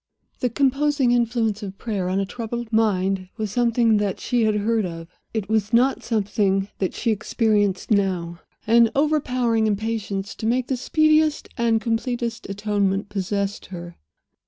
The composing influence of prayer on a troubled mind was something that she had heard of. It was not something that she experienced now. An overpowering impatience to make the speediest and completest atonement possessed her.